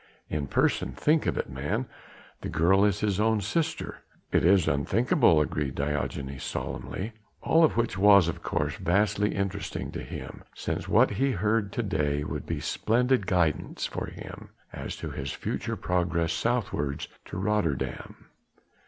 "In person. Think of it, man! The girl is his own sister." "It is unthinkable," agreed Diogenes solemnly. All of which was, of course, vastly interesting to him, since what he heard to day would be a splendid guidance for him as to his future progress southwards to Rotterdam.